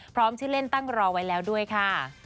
ชื่อเล่นตั้งรอไว้แล้วด้วยค่ะ